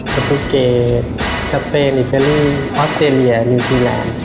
กระทุกเกตสเปนอิกเบรี่ออสเตรเลียนิวซีแลนด์